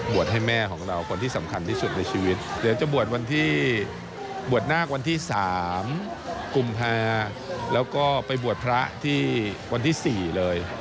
บวชนาควันที่๓กุมภาแล้วก็ไปบวชพระที่วันที่๔เลย